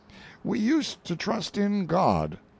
We used to trust in God.